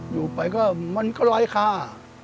อยู่ไปก็มันก็ไร้ค่า